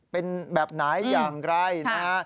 เป็นแบบไหนอย่างไรนะฮะ